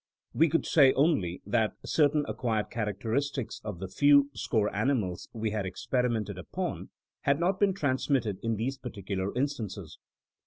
We could say only that certain acquired characteristics of the few score animals we had experimented upon had not been transmitted in these particular in stances.